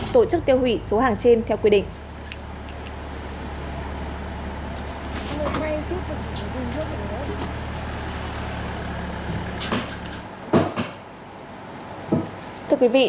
tổ chức tiêu hủy số hàng trên theo quy định